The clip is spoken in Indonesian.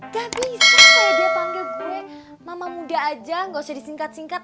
kan bisa dia panggil gue mama muda aja gak usah disingkat singkat